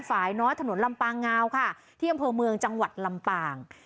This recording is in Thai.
ฝ่ายน้อยถนนลำปางงาวค่ะที่อำเภอเมืองจังหวัดลำปาง